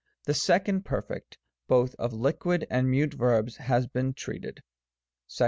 The 2d Perfect, both of Liquid and Mute verbs, has been treated (§69).